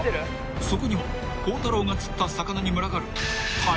［そこには孝太郎が釣った魚に群がる］